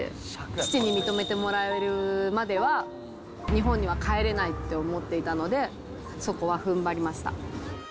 父に認めてもらえるまでは、日本には帰れないって思っていたので、そこは踏ん張りました。